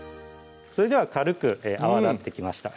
それでは軽く泡立ってきました